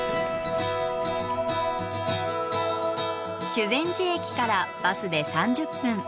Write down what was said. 修善寺駅からバスで３０分。